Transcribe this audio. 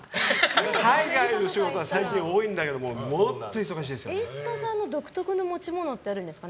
海外の仕事は最近多いんだけど演出家さんの独特のものってあるんですか。